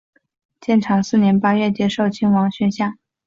建长四年八月接受亲王宣下。